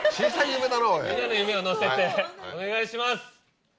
みんなの夢を乗せてお願いします。